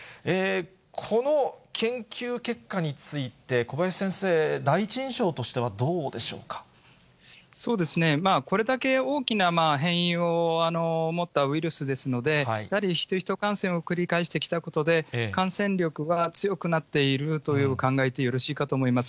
この研究結果について、小林先生、これだけ大きな変異を持ったウイルスですので、やはりヒト・ヒト感染を繰り返してきた中で、感染力が強くなっていると考えてよろしいかと思います。